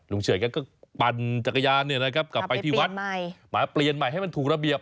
เฉยแกก็ปั่นจักรยานกลับไปที่วัดใหม่มาเปลี่ยนใหม่ให้มันถูกระเบียบ